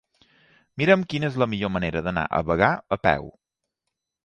Mira'm quina és la millor manera d'anar a Bagà a peu.